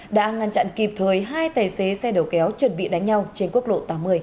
đã ngăn chặn kịp thời hai tài xế xe đầu kéo chuẩn bị đánh nhau trên quốc lộ tám mươi